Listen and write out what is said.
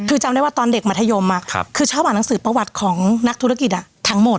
คือจำได้ว่าตอนเด็กมัธยมคือชอบอ่านหนังสือประวัติของนักธุรกิจทั้งหมด